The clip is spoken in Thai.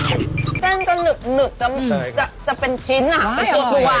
เส้นจะหนึบจะเป็นชิ้นเป็นตัว